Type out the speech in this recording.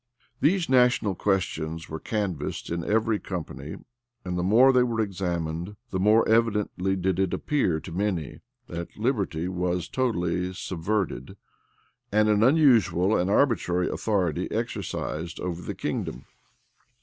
These national questions were canvassed in every company; and the more they were examined, the more evidently did it appear to many, that liberty was totally subverted, and an unusual and arbitrary authority exercised over the kingdom.